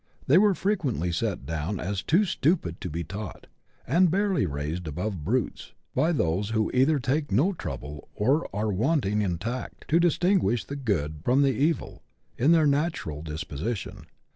They are frequently set down as too stupid to be taught, and barely raised above brutes, by those who either take no trouble, or are wanting in tact, to distinguish the good from the evil in their natural disposition.